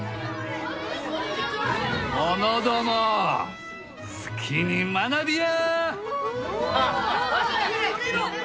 者ども好きに学びや！